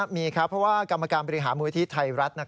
มีครับเพราะว่ากรรมการบริหารมูลที่ไทยรัฐ